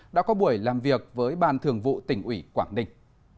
đã có buổi làm việc với ban thường vụ tỉnh ủy quảng ninh